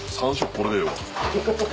これでええわ。